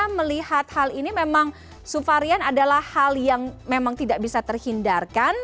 karena melihat hal ini memang subvarian adalah hal yang memang tidak bisa terhindarkan